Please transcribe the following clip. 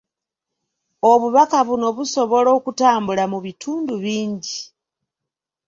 Obubaka buno busobola okutambula mu bitundu bingi.